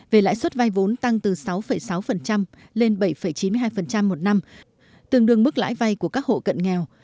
về lãi suất vay vốn tăng từ sáu sáu lên bảy chín mươi hai một năm tương đương mức lãi vay của các hộ cận nghèo